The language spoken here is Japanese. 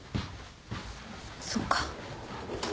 そっか。